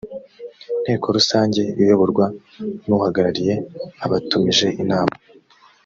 nteko rusange iyoborwa n uhagarariye abatumije inama